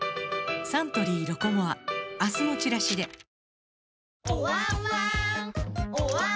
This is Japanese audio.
サントリー「ロコモア」明日のチラシでおわんわーん